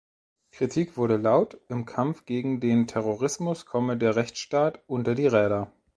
Kritik wurde laut, im Kampf gegen den Terrorismus komme der Rechtsstaat unter die Räder.